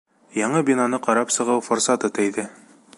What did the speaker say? Яңы бинаны ҡарап сығыу форсаты тейҙе.